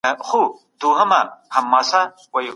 د مسلکي ودې لپاره لارښوونې تعقیبېږي.